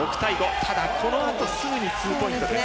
ただ、このあとすぐにツーポイントです。